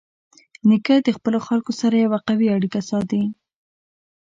نیکه د خپلو خلکو سره یوه قوي اړیکه ساتي.